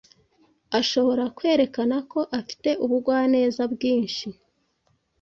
ashobora kwerekana ko afite ubugwaneza bwinshi,